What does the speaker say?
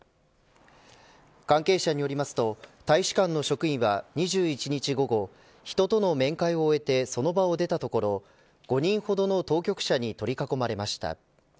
関係者によりますと大使館の職員は２１日、午後人との面会を終えてその場を出たところ５人ほどの当局者に取り囲まれました。